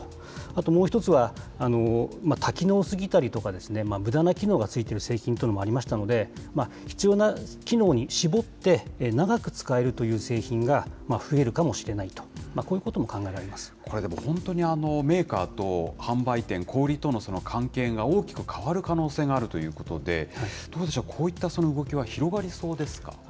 あともう一つは、多機能すぎたりとか、むだな機能が付いている製品というのもありましたので、必要な機能に絞って、長く使えるという製品が増えるかもしれないと、本当にメーカーと販売店、小売りとの関係が大きく変わる可能性があるということで、どうでしょう、こういった動きは広がりそうですか。